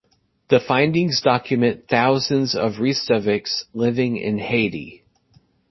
The findings document thousands of restaveks living in Haiti.